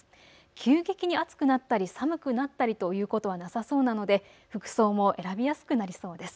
急激に暑くなったり寒くなったりということはなさそうなので服装も選びやすくなりそうです。